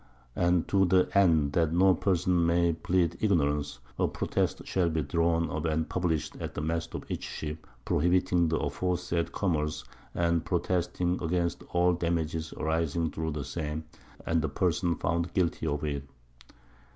_And to the End that no Person may plead Ignorance, a Protest shall be drawn up and published at the Mast of each Ship, prohibiting the aforesaid Commerce, and protesting against all Damages arising through the same, and the Person found guilty of it.